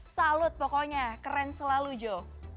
salut pokoknya keren selalu jo